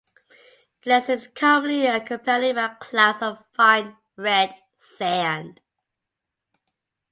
The Leste is commonly accompanied by clouds of fine red sand.